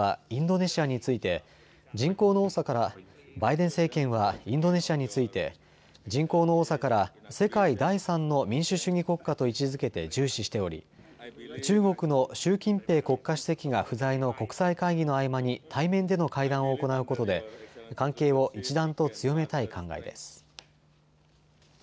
バイデン政権はインドネシアについて人口の多さから世界第３の民主主義国家と位置づけて重視しており中国の習近平国家主席が不在の国際会議の合間に対面での会談を行うことで関係を一段と強めたい考えです。